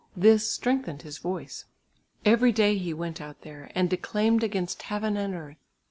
This strengthened his voice. Every day he went out there, and declaimed against heaven and earth.